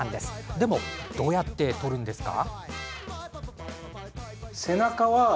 でも、どうやって撮るんですか？